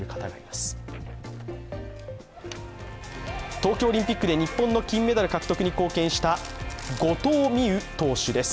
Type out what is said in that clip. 東京オリンピックで日本の金メダル獲得に貢献した後藤希友投手です。